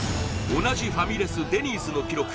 同じファミレスデニーズの記録